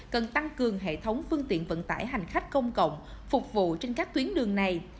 cần tăng cường hệ thống phương tiện vận tải hành khách công cộng phục vụ trên các tuyến đường này